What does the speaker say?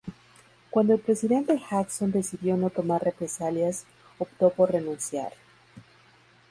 Cuando el presidente Jackson decidió no tomar represalias, optó por renunciar.